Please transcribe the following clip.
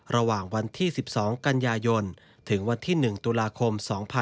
ระหว่างวันที่๑๒กันยายนถึงวันที่๑ตุลาคม๒๕๖๒